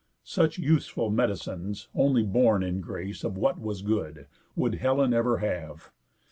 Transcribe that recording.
Such useful medicines, only borne in grace Of what was good, would Helen ever have.